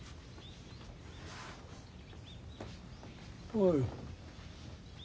おい。